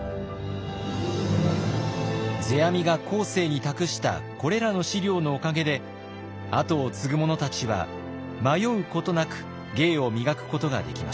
世阿弥が後世に託したこれらの資料のおかげで後を継ぐ者たちは迷うことなく芸を磨くことができました。